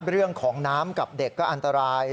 เรื่องของน้ำกับเด็กก็อันตราย